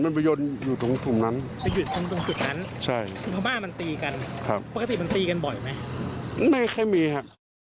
ไม่ค่อยมีครับ